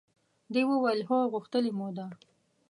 دوی وویل هو! غوښتلې مو ده.